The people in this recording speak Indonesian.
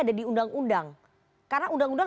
ada di undang undang karena undang undang